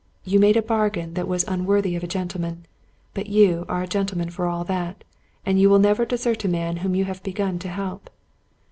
You made a bargain that was unworthy of a gentleman ; but you are a gentleman for all that, and you will never desert a man whom you have begun to help."